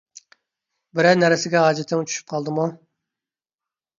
بىرەر نەرسىگە ھاجىتىڭ چۈشۈپ قالدىمۇ؟